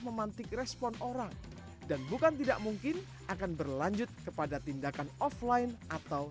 memantik respon orang dan bukan tidak mungkin akan berlanjut kepada tindakan offline atau